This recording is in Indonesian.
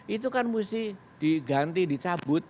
itu kan mesti diganti dicabut